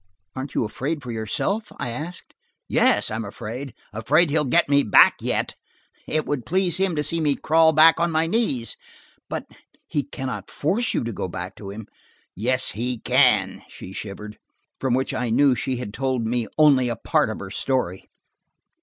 "Aren't you afraid for yourself?" I asked. "Yes, I'm afraid–afraid he'll get me back yet. It would please him to see me crawl back on my knees." "But–he can not force you to go back to him." "Yes, he can," she shivered. From which I knew she had told me only a part of her story.